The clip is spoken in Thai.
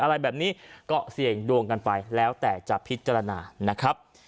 อะไรแบบนี้ก็เสี่ยงดวงกันไปแล้วแต่จะพิจารณานะครับ